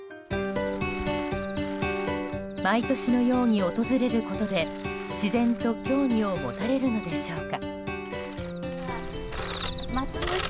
毎年のように訪れることで自然と、興味を持たれるのでしょうか。